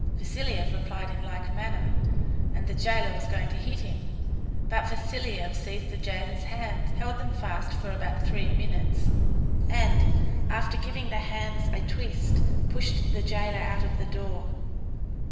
Vasiliev replied in like manner, and the jailer was going to hit him, but Vasiliev seized the jailer's hands, held them fast for about three minutes, and, after giving the hands a twist, pushed the jailer out of the door.